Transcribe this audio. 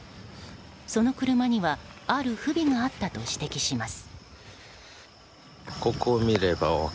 その車にはある不備があったと指摘します。